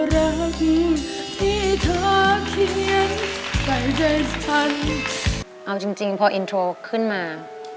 รักที่เธอเขียนใส่ใจฟันเอาจริงพออินโทรขึ้นมา